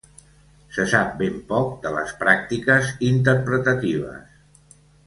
Se sap ben poc de les pràctiques interpretatives.